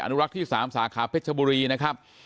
อนุรักษ์ที่๓สาขาเพชรบุรี